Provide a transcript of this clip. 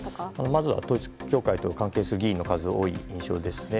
まずは統一教会と関係する議員の数が多い印象ですね。